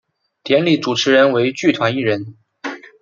典礼主持人为剧团一人。